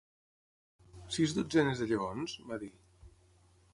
"Sis dotzenes de lleons?", va dir.